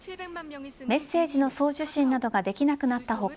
メッセージの送受信などができなくなった他